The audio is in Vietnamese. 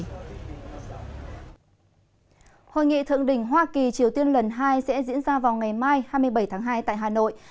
hội nghị thượng đỉnh hoa kỳ triều tiên lần hai sẽ diễn ra vào ngày mai hai mươi bảy tháng hai tại hà nội